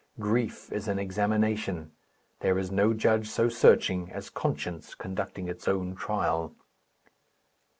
Grief is an examination. There is no judge so searching as conscience conducting its own trial.